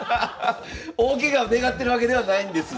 大ケガを願ってるわけではないんです。